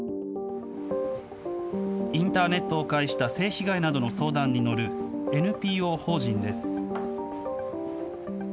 インターネットを介した性被害などの相談に乗るＮＰＯ法人です。